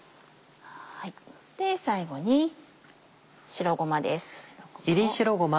で最後に白ごまです。